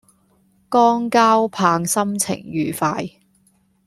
江交棒心情愉快